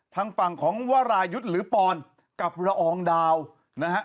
ทางฝั่งของวรายุทธ์หรือปอนกับละอองดาวนะฮะ